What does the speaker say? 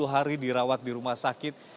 lima puluh hari dirawat di rumah sakit